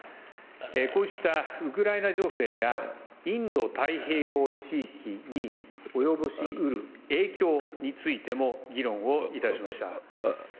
こうしたウクライナ情勢がインド太平洋地域に及ぼしうる影響についても議論をいたしました。